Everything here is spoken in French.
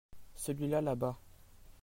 celui-là là-bas.